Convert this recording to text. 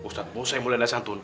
ustadz musa yang mulia dan santun